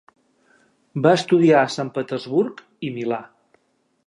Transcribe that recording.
Va estudiar a Sant Petersburg i Milà.